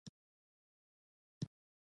د ښځو حقوقو ته پاملرنه وشوه او ملاتړ یې وشو.